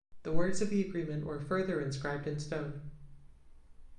The words of the agreement were further inscribed in stone